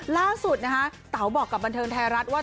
ล่าสุดนะคะเต๋าบอกกับบันเทิงไทยรัฐว่า